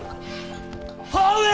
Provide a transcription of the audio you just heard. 母上！